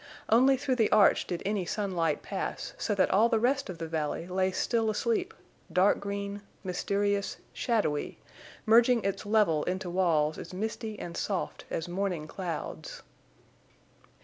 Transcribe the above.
Only through the arch did any sunlight pass, so that all the rest of the valley lay still asleep, dark green, mysterious, shadowy, merging its level into walls as misty and soft as morning clouds.